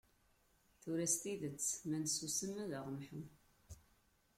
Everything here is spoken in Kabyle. Tura s tidet, ma nessusem ad aɣ-mḥun.